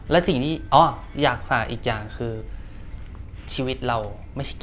และสิ่งที่อ้ออยากฝากอีกอย่างคือชีวิตเราไม่ใช่